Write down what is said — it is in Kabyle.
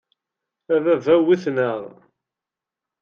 A baba wten-aɣ.